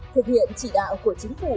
thực hiện chỉ đạo của chính phủ